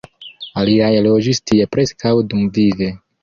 Aliaj loĝis tie preskaŭ dumvive.